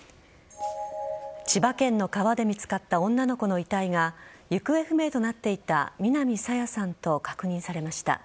千葉県の川で見つかった女の子の遺体が行方不明となっていた南朝芽さんと確認されました。